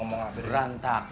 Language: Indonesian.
gas meledak mak